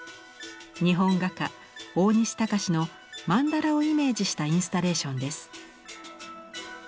日本画家大西高志の曼荼羅をイメージしたインスタレーションです。